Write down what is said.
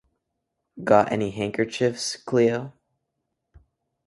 Got any handkerchiefs, Cleo?